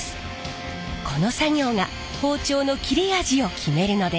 この作業が包丁の切れ味を決めるのです。